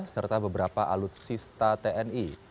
serta beberapa alutsista tni